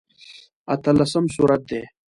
اتلسم سورت دی.